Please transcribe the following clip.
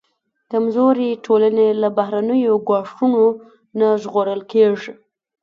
کمزورې ټولنې له بهرنیو ګواښونو نه ژغورل کېږي.